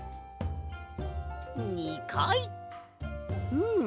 うん。